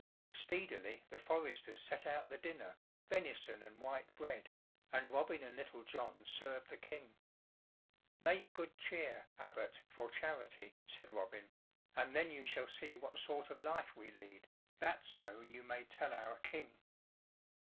Speedily the foresters set out the dinner, venison and white bread, and Robin and Little John served the King. "Make good cheer, Abbot, for charity," said Robin, "and then you shall see what sort of life we lead, that so you may tell our King."